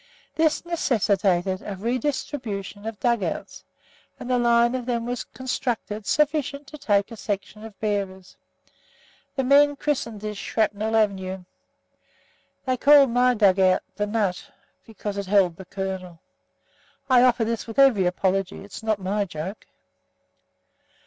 This necessitated a redistribution of dug outs, and a line of them was constructed sufficient to take a section of bearers. The men christened this "Shrapnel Avenue." They called my dug out "The Nut," because it held the "Kernel." I offer this with every apology. It's not my joke.